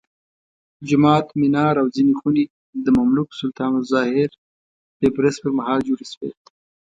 جومات، منار او ځینې خونې د مملوک سلطان الظاهر بیبرس پرمهال جوړې شوې.